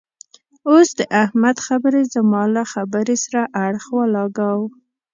اوس د احمد خبرې زما له خبرې سره اړخ و لګاوو.